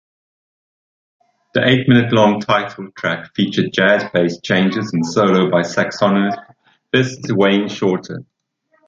The eight-minute-long title track features jazz-based changes and a solo by saxophonist Wayne Shorter.